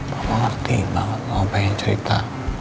mbak andin pengen cerita